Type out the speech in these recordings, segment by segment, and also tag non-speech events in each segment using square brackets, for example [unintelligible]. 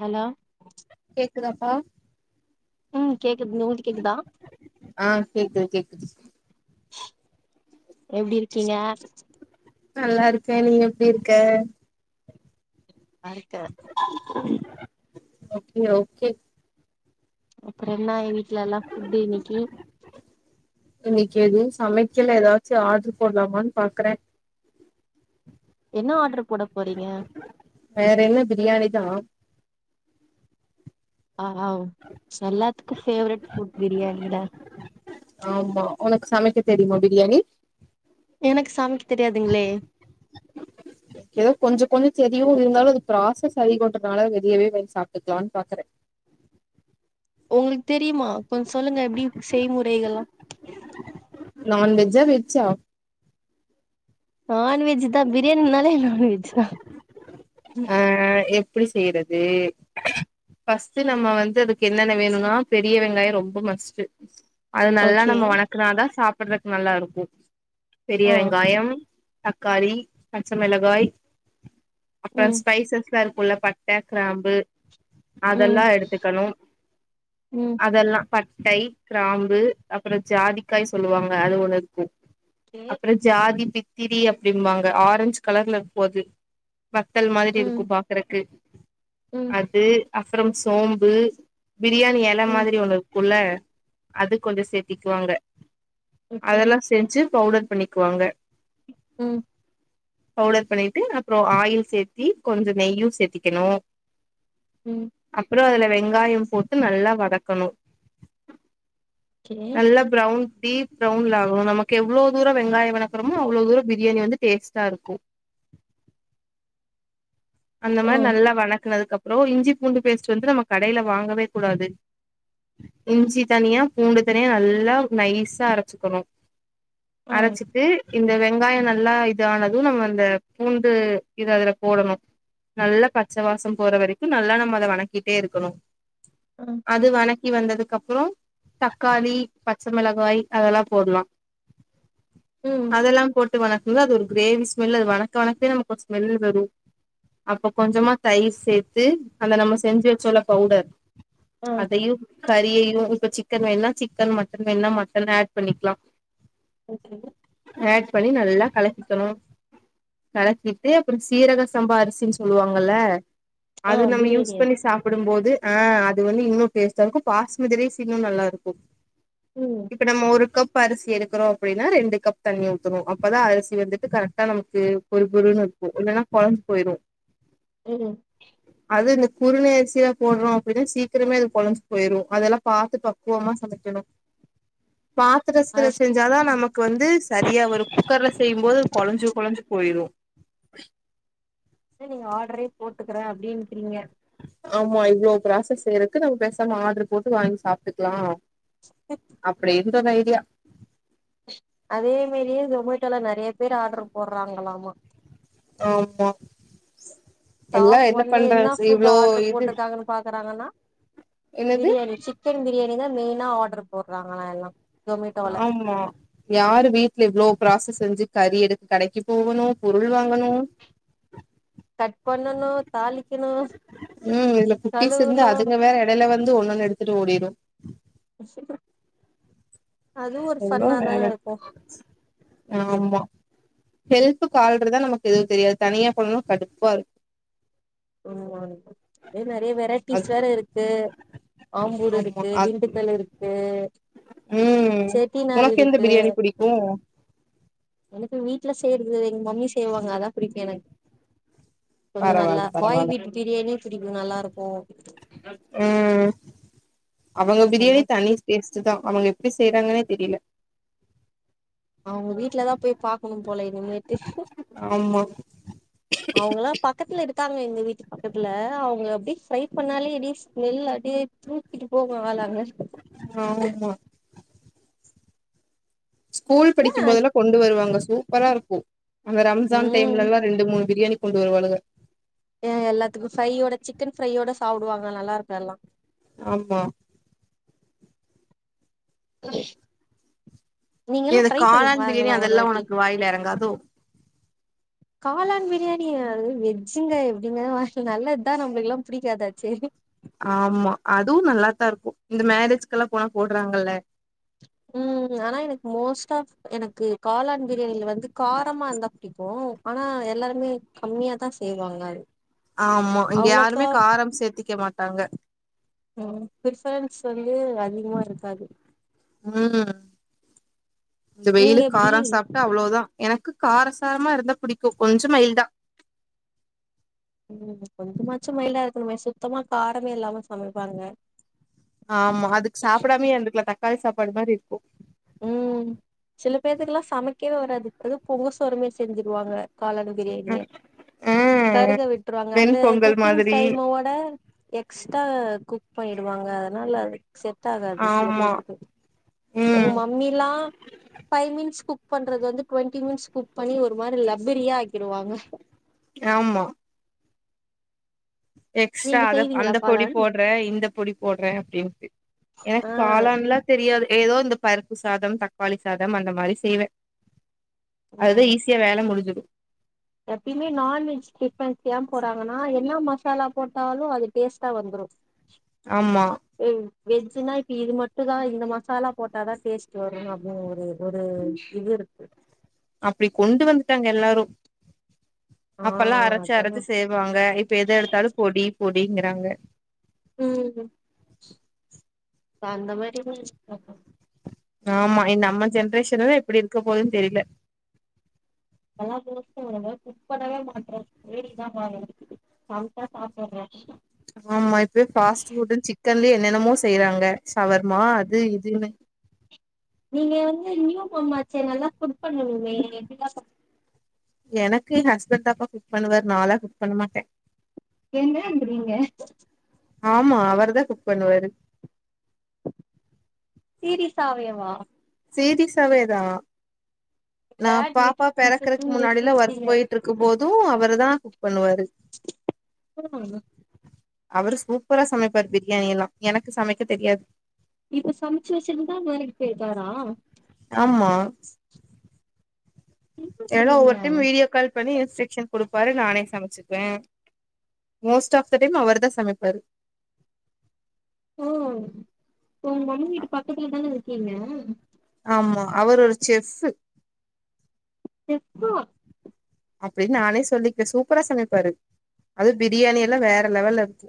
hello கேக்குதாப்பா ம் கேக்குது உங்களுக்கு கேக்குதா ஆ கேக்குது கேக்குது எப்டி இருக்கீங்க நல்லா இருக்கோன் நீ எப்டி இருக்க ஆறுக்கு ஓகே ஓகே அப்புறம் என்ன இ வீட்லல்லா ஃபுட்டு இன்னைக்கி இன்னைக்கி எதுவும் சமைக்கில ஏதாச்சு ஆர்ட்ரு போட்லாமான்னு பாக்குறேன் என்னா ஆர்ட்ரு போட போறீங்க வேற என்ன பிரியாணி தா ஆ ஆ எல்லாத்துக்கும் ஃபேவரட் ஃபுட் பிரியாணி தா ஆமா உனக்கு சமைக்க தெரியுமா பிரியாணி எனக்கு சமைக்க தெரியாதுங்களே ஏதோ கொஞ்ச கொஞ்ச தெரியும் இருந்தாலும் அது ப்ராசஸ் அதிகோன்றதுனால வெளியவே வாங்கி சாப்டுக்குலான்னு பாக்குறேன் உங்களுக்கு தெரியுமா கொஞ்சம் சொல்லுங்க எப்டி செய்முறைகள்லாம் நன்வெஜ் ஆ வெஜ் ஆ நான்வெஜ் தான் பிரியாணின்னாலே நான்வெஜ் தான் அ அ எப்டி செய்றது ஃபஸ்ட் நம்ம வந்து அதுக்கு என்னென்ன வேணும்னா பெரிய வெங்காயம் ரொம்ப மஸ்டு அது நல்லா ஓகே நம்ம வணக்குனாதான் சாப்பிடுறதுக்கு நல்லா இருக்கும் பெரிய ஆ வெங்காயம் தக்காளி பச்சை மிளகாய் அப்பறம் ம் ஸ்பைசஸ்லாம் இருக்கும் இல்ல பட்ட கிராம்பு ம் அதெல்லா எடுத்துக்கணும் ம் அதெல்லா பட்டை கிராம்பு அப்புறம் ஜாதிக்காய் சொல்லுவாங்க அது ஒண்ணு இருக்கும் கே அப்புற ச் ஜாதி பித்திரி அப்டிம்பாங்க ஆரஞ்ச் கலர்ல இருக்கும் அது வத்தல் மாதிரி ம் இருக்கும் பாக்குறக்கு ம் ட்டு அப்புறம் சோம்பு பிரியாணி எல ம் மாதிரி ஒண்ணு குல்ல அது கொஞ்ச சேத்திக்குவாங்க ஓகே அதெல்லா ஸ் தேன்ச்சி பவுடர் பண்ணிக்குவாங்க ம் பவுடர் பண்ணிட்டு அப்புறோ ஆயில் சேத்தி கொஞ்ச நெய்யும் சேத்திக்கிணும் ம் அப்புறோ அதுல வெங்காயம் போட்டு நல்லா வதக்கணும் கே நல்லா ப்ரௌன் டீப் ப்ரௌன்வுன்ல ஆகணும் நமக்கு எவ்ளோ தூரம் வெங்காயம் வணக்குறோமோ அவ்வளோ தூரம் பிரியாணி வந்து டேஸ்டா இருக்கும் அந்த ஓ மாரி நல்லா வணக்குனதுக்கு அப்புறோ இஞ்சி பூண்டு பேஸ்ட் வந்து நம்ம கடையில வாங்கவே கூடாது இஞ்சி தனியா பூண்டு தனியா நல்லா நைஸா அரச்சுகணும் ஆ அரச்சிட்டு இந்த வெங்காயோ நல்லா இது ஆனதும் நம்ம அந்த பூண்டு இது அதுல போடணு நல்ல பச்சவாசோம் போற வரைக்கு நல்லா நம்ம அத வணக்கிட்டே இருக்கணு ஆ அது வணக்கி வந்ததுக்கப்புறோ தக்காளி பச்சமிளகாய் அதெல்லா போட்லா ம் இதெல்லா போட்டு வணக்குனது அது ஒரு கிரேவி ஸ்மெல் அது வணக்க வனக்கே நமக்கு ஒரு ஸ்மெல் வரும் அப்போ கொஞ்சமா தயிர் சேத்து அந்த நம்ம செஞ்சு வச்சோல்ல பவுடர் ஆ அதையு கறியையு இப்ப சிக்கன் வேணுனா சிக்கன் மட்டன் வேணுனா மட்டன் ஆட் பண்ணிக்லா ஓகே ஆட் பண்ணி நல்லா கலக்கிக்கணும் கலக்கிட்டு அப்றோ சீரக சம்பா அரி சின் சொல்லுவாங்கல்ல ஆ அது நம்ம பிரியாணி யுஸ் பண்ணி சாப் ப்புடும்போது ஆ அது வந்து இன்னு டேஸ்ட்டா இருக்கு பாஸ்மதி ரைஸ் இன்னு நல்லா இருக்கு ம் இப்ப நம்ம ஒரு கப் அரிசி எடுக்குறோ அப்டின்னா ரெண்டு கப் தண்ணி ஊத்தணு அப்பதா அரிசி வந்துட்டு கரெக்டா நமக்கு பொருனு பொருன்னு இருக்கு இல்லனா கொழஞ்சு போயிரு ம் அது இந்த குறுந அரிசிதா போடுறோ அப்டின்னா சீக்கிரமே அது கொழஞ்சு போயிரு அதெல்லா பாத்து பக் குவமா சமைக்கணு பாத் அத த்துருசில் செஞ்சாதா நமக்கு வந்து சரியா வரு குக்கர்ல செய்யுபோது கொழஞ்சு கொழஞ்சு போயிடு இல்ல நீங்க ஆடரே போட்டுக்குறே அப்டின்ட்றீங்க ஆமா இவ்ளோ ப்ராசஸ் செய்றக்கு நம்ம பெசாம ஆடரு போட்டு வாங்கி சாப்ட்டுக்கலா அப்டி இருந்தது ஐடியா அதே மிறியு ஜொமேட்டோல நெறைய பேர் ஆர்டர் போடுறாங்களாமா ஆமா எல்லா என்ன பண்றாங்க இவ்ளோ இது அது இன்னும் பாக்குறாங்கன்னா என்னது பிரியாணி சிக்கன் பிரியாணி தா மெயினா ஆர்ட்ரு போட்றாங்களா எல்லா ஜொமேட்டோல காம்மா யாரு வீட்ல இவ்ளோ ப்ராசஸ் செஞ்சு கறி எடுத்து கடைக்கு போகணு பொருள் வாங்கணு கட் பண்ணணு தாளிக்கணு கழுவணு என்ன வந்து ஒண்ணொண்ணு எடுத்துட்டு ஓடிரு அதுவு ஒரு எவ்ளோ ஃபண்ணா வேல தானருக்கு ஆமா ஹெல்ப்க்கு ஆள் இருந்தா நமக்கு எதுவு தெரியாத தனியா பண்ணுணா கடுப்பாருக்கு ஆமா அதுவு நெறைய வெரைட்டிஸ் அது வேற இருக்கு ஆம்பூர் ஆமா இருக்கு அது திண்டுக்கல் இருக்கு ம் செட்டி நாடு உனக்கு எந்த இருக்கு பிரியாணி புடிக்கு எனக்கு வீட்ல செய்றது எங்க மம்மி செய்வாங்க அதா புடிக்கு எனக்கு கொஞ்சோ நல்லா பரவால்ல பாய் பரவால்ல வீட்டு பிரியாணியு புடிக்கு நல்லாருக்கு ம் அவளோ நல்லா ப்ரியாணி தனி டேஸ்ட்டு தா அவுங்க எப்டி செய்யறாங்கன்னே தெரியல அவுங்க வீட்லதா போய் பாக்கணு போல இனிமேட்டு ஆமா அவுங்கல்லா பக்கத்துல இருக்காங்க எங்க வீட்டு பக்கத்துல அவுங்க அப்டி ஃப்ரை பண்ணாலே எப்டி ஸ்மெல் அப்டியே தூக்கிட்டு போவு ஆள அங்க ஆமா ஸ்கூல் ஏன் படிக்கும்போதெல்லா கொண்டு வருவாங்க சூப்பராருக்கு அந்த ரம்சான் ம் டைம்ல எல்லா ரெண்டு மூணு பிரியாணி கொண்டு வருவாளுக ஏ எல்லாத்துக்கு ஃப்ரையோட சிக்கன் ஃப்ரையோட சாப்டுவாங்க நல்லாருக்கு அதுல்லா ஆமா நீங்களு எது ப்ரை பண்ணி காளான் பிரியாணி பாருங்களே ஒரு அதெல்லா வாட்டி உனக்கு வாயில எறங்காதோ காளான் பிரியாணிய அது வெஜ்ஜுங்க எப்டிங்க நல்லது தான் நம்மளுக்கெல்லாம் பிடிக்காதாச்சே ஆமா அதுவு நல்லாத்தாருக்கு இந்த மேரேஜ்க்கெல்லா போனா போட்றாங்கல்ல ம் ஆனா எனக்கு மோஸ்ட் ஆஃப் எனக்கு காளான் பிரியாணில வந்து காரமா இருந்தா புடிக்கு ஆனா எல்லாருமே கம்மியா தா செய்வாங்க அது ஆமா இங்க அவ்ளோக்கா யாருமே காரம் சேத்திக்க மாட்டாங்க பிஃபரன்ஸ் வந்து அதிகமாருக்காது ம் இந்த நீங்க வெயிலுக் எப்டி காரோ சாப்ட்டா அவளோதா எனக்கு காரசாரமாருந்தா பிடிக்கு கொஞ்சோ மயில்டா ம் கொஞ்சமாச்சு மயில்டா இருக்கணுமே சுத்தமா காரமே இல்லாம சமைப்பாங்க ஆமா அதுக்கு சாப்டாமே இருந்துக்லா தக்காளி சாப்பாடு மாரி இருக்கு ம் சில பேத்துக்குலா சமைக்கவே வராது அதுவு பொங்க சோறு மாரி செஞ்சுருவாங்க காளானு பிரியாணியே ம் ம் கருக விட்டுருவாங்க அந்த வெண்பொங்கல் குக்கிங் மாதிரி டைமோட எக்ஸ்ட்டா குக் பண்ணிடுவாங்க அதனால அதுக்கு செட் ஆகாது சில ஆமா பேத்துக்கு எங்க ம் மம்மிலா ஃபைவ் மினிட்ஸ் குக் பண்றது வந்து டுவெண்டி மினிட்ஸ் குக் பண்ணி ஒருமாரி லப்பரியா ஆக்கிடுவாங்க ஆமா எக்ஸ்ட்ரா நீங்க அத செய்வீங்களா அந்த பொடி காளான் போட்றே இந்த பொடி போட்றே அப்டின்ட்டு ஆ எனக் காளான்ல தெரியாது ஏதோ இந்த பருப்பு சாதம் தக்காளி சாதம் அந்த மாரி செய்வே அதுதா ம் ஈஸி கே வேல முடிஞ்சிடு எப்பயுமே நான்வெஜ் ஃபிரிப்பெண்ஸ்லா போட்றாங்கனா என்னா மசாலா போட்டாலு அது டேஸ்ட்டா வந்துரு ஆமா ஓ வெஜ்ஜின்னா இப்ப இது மட்டு தா இந்த மசாலா போட்டாதா டேஸ்ட் வரு அப்டின் ஒரு ஒரு இது இருக்கு அப்டி கொண்டு வந்துட்டாங்க எல்லாரும் ஆ அப்பெல்லா அரச்சு அரச்சு சரியா செ ப்பாங்க இப்ப எத எடுத்தாலு பொடி பொடிங்கிறாங்க ம் இப்ப அந்த மாரி ஆமா நம்ம ஜென்ரேஷன்ல தா எப்டி இருக்க போதுன் தெரில எல்லாதியு [unintelligible] குக் பண்ணவே மாட்றோ வேடிக்க தா பாக்றது அதுக்தா சாப்பர்றே ஆமா இப்பயு ஃபாஸ்ட்டு புட்ன் சிக்கன்லே என்னென்னமோ செய்றாங்க சவர்மா அது இதுன்னு நீங்க வந்து நியூ மாம் ஆச்சே நல்லா குக் பண்ணுவீங்களே எப்டிலா சம எனக்கு ஏ ஹஸ்பண்ட்தாப்பா குக் பண்ணுவாரு நாளா குக் பண்ணமாட்டே எங்க அல்ரீங்க ஆமா அவர்தா குக் பண்ணுவாரு சீரிசாவே வா சீரிசாவே தா நா பேட் பாப்பா லிட்டில் பெறக்கறக்கு பிரின்சஸ்ன்னு முன்னாடில ஒர்க் நிரூபிச்சிட்டீங்க பொயிட்ருக்கும் போதும் அவுரு தா குக் பண்ணுவாரு [unintelligible] அவுரு சூப்ரா சமப்பாரு பிரியாணிலா எனக்கு சமைக்க தெரியாது இப்ப சமைச்சி வச்சினுதா வேலைக்கு பொயிட்டாரா ஆமா எல்லா என்னன்றீங்க ஒரு டைம் வீடியோ கால் பண்ணி இன்ஸ்ட்ரக்ஷன் குடுப்பாரு நானே சமச்சுக்குவே மோஸ்ட் ஆஃப் த டே அவர் தா சமப்பாரு ஓ ஒங்க மம்மி வீட்டு பக்கத்துல தானே இருக்கீங்க ஆமா அவுரு ஒரு செஃபு செஃபா அப்டின்னு நானே சொல்லிக்கிறே சூப்ரா சமப்பாரு அதுவு பிரியாணிலா வேற லெவல்ல இருக்கு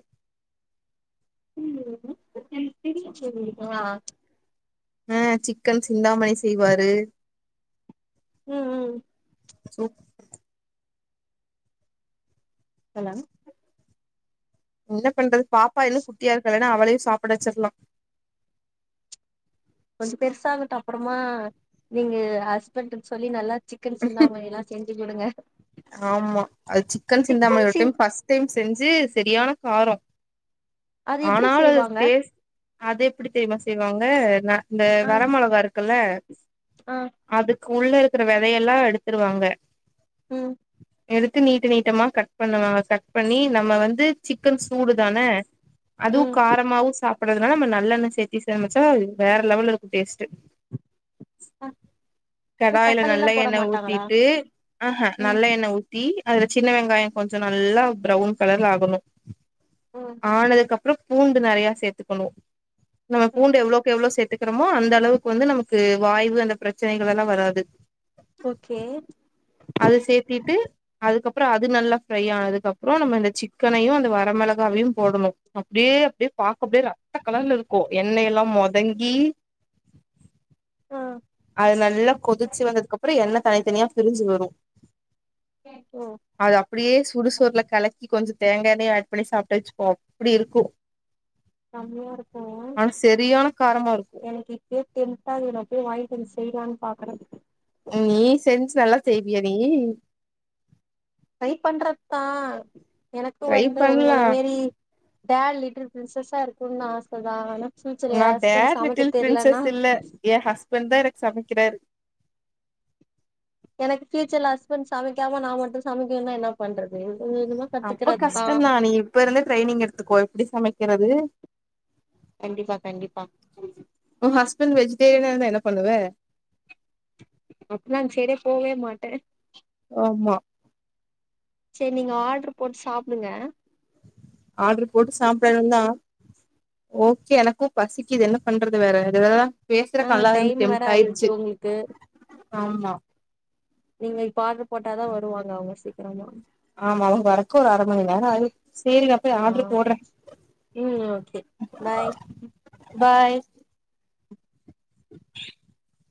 ம் எப்டி [unintelligible] அ சிக்கன் சிந்தாமணி செய்வாரு ம் ம் சூப் ஹலோ என்ன பண்றது பாப்பா இன்னும் குட்டியா இருக்காலே இல்லன்னா அவளையு சாப்ட வச்சிரலா கொஞ்சோ பெருசாகட்டு அப்பறமா நீங்க ஹஸ்பண்ட்ன்னு சொல்லி நல்லா சிக்கன் சிந்தாமணி எல்லா செஞ்சு குடுங்க ஆமா அது சிக்கன் சிந்தாமணி ஒரு டைம் ஃபஸ்ட் டைம் செஞ்சு சரியான காரொ அது எப்டி ஆனாலு அது செய்வாங்க டேஸ்ட் அது எப்டித் தெரியுமா செய்வாங்க ந இந்த ஆ வர மொளகா இருக்குல்ல ஆ அதுக்குள்ள இருக்கிற வெதையெல்லா எடுத்துருவாங்க ம் எடுத்து நீட்டு நீட்டமா கட் பண்ணுவாங்க கட் பண்ணி நம்ம வந்து சிக்கன் சூடு தான அதுவும் ம் காரமாவும் சாப்புட்றதுனால நம்ம நல்லெண்ணய சேர்த்தி சமைச்சா வேற லெவல்ல இருக்கும் டேஸ்ட் அ கடாயில தக்காளி எல்லா நல்ல போட எண்ணெ மாட்டாங்களா ஊத்திட்டு ஆஹ் ஹ ம் நல்ல எண்ணே ஊத் தி அதுல சின்ன வெங்காய கொஞ்சோ நல்லா ப்ரௌன் கலர்ல ஆகணும் ஓ ஆனதுக்கப்பற பூண்டு நெறையா சேர்த்துக்கணும் நம்ம ம் பூண்டு எவ்ளோக்கெவ்ளோ சேர்த்துக் க்கிறமோ அந்த அளவுக்கு வந்து நமக்கு வாய்வு அந்த பிரச்சனைகள் எல்லா வராது ஓகே அது சேர்த்திட்டு அதுக்கப்பற அது நல்லா ஃப்ரை ஆனதுக் கப்பற நம்ம இந்த சிக்கனையு அந்த வர மொளகாவையு போடணு அப்டியே அப்டியே பார்க்க அப்டியே ரத்த கலர்ல இருக்கும் எண்ணெய் எல்லா மொதங்கி அ அது நல்லா கொதிச்சி வந்ததுக்கப்றோ எண்ணெ தனித்தனியா பிரிஞ்சி வரு ஓ அது அப்டியே சுடு சோறுல கலக்கி கொஞ்சோ தேங்கா எண்ணெய ஆட் பண்ணி சாப்ட்டோ வச்சுப்போ அப்டி இருக்கும் செம்மயா இருக்கும் செரியான காரமா இருக்கு எனக்கு இப் இப்பயே டெம்ட்டா இருக்குன்து நா போய் வாங்கிட்டு வந்து செய்யலான்னு பாக்குற நீ செஞ்சு நல்லா செய்வியா நீ ட்ரை பண்றத்தா எனக்கு ட்ரை வந்து உங்கள பண்லா மேரி டாட் லிட்டில் பிரின்சஸா இருக்கணும்னு ஆச தா ஆனா ஃப்யூச்சர்ல நா எய ஹஸ்பண்ட் டேட் லிட்டில் சமைக்கத் தெரிலன்னா பிரின்சஸ் இல்ல [unintelligible] தா எனக்கு சமைக்கிறாரு எனக்கு ஃப்யூச்சர்ல ஹஸ்பண்ட் சமைக்காம நா மட்டும் சமைக்கணுன்னா என்ன பண்றது வேக வேகமா அப்ப கத்துக்கறத்துதா கஷ்டந்தா நீ இப்ப இருந்து ட்ரெய்னிங் எடுத்துக்கோ எப்டி சமைக்கிறது கண்டிப்பா கண்டிப்பா உ ஹஸ்பண்ட் வெஜிடேரியனா இருந்தா என்ன பண்ணுவ அப்டின்னா அந்த சைடே போவே மாட்ட ஆமா சேரி நீங்க ஆர்டரு போட்டு சாப்டுங்க ஆர்டரு போட்டு சாப்டணும் தா ஓகே எனக்கும் பசிக்குது என்ன பண்றது வேற [unintelligible] ஆ பேசுறக்கு நல்லா இருந்து டைம் வேற டெம்ட் ஆயிடுச்சு உங்களுக்கு ஆமா நீங்க இப்ப ஆர்டர் போட்டாதா வருவாங்க அவங்க சீக்கிரமா ஆமா அவங்க வரக்கு ஒரு அர மணி நேரம் ஆயிரு சேரி நா போய் ஆ ஆர்டரு போடுற ம் ஓகே பாய் பாய் [inaudible]